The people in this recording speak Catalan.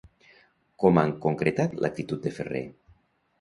Com han concretat l'actitud de Ferrer?